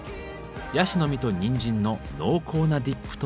ヤシの実とにんじんの濃厚なディップとともに。